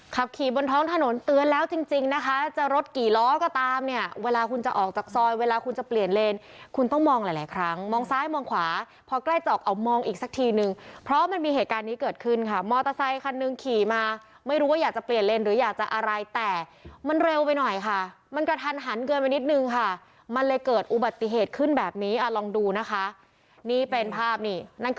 ขับขี่บนท้องถนนเตือนแล้วจริงจริงนะคะจะรถกี่ล้อก็ตามเนี่ยเวลาคุณจะออกจากซอยเวลาคุณจะเปลี่ยนเลนคุณต้องมองหลายหลายครั้งมองซ้ายมองขวาพอใกล้จอกเอามองอีกสักทีนึงเพราะมันมีเหตุการณ์นี้เกิดขึ้นค่ะมอเตอร์ไซคันนึงขี่มาไม่รู้ว่าอยากจะเปลี่ยนเลนหรืออยากจะอะไรแต่มันเร็วไปหน่อยค่ะมันกระทันหันเกินไป